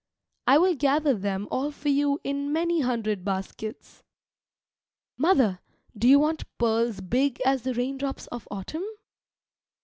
I will gather them all for you in many hundred baskets. Mother, do you want pearls big as the raindrops of autumn?